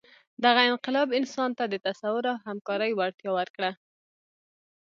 دغه انقلاب انسان ته د تصور او همکارۍ وړتیا ورکړه.